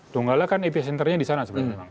donggala kan apc center nya di sana sebenarnya